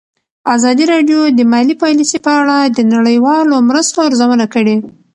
ازادي راډیو د مالي پالیسي په اړه د نړیوالو مرستو ارزونه کړې.